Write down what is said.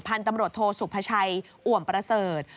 พันธุ์ตำรวจโทสุภาชัยอ่วมประเสริฐ